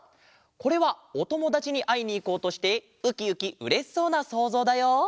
これはおともだちにあいにいこうとしてウキウキうれしそうなそうぞうだよ。